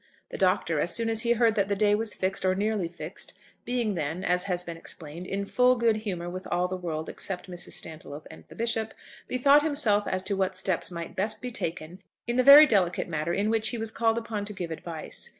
The Doctor, as soon as he heard that the day was fixed, or nearly fixed, being then, as has been explained, in full good humour with all the world except Mrs. Stantiloup and the Bishop, bethought himself as to what steps might best be taken in the very delicate matter in which he was called upon to give advice.